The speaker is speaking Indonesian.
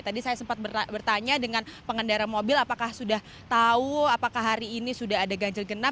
tadi saya sempat bertanya dengan pengendara mobil apakah sudah tahu apakah hari ini sudah ada ganjil genap